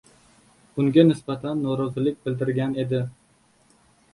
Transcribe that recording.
Bunga nisbatan norozilik bildirilgan edi.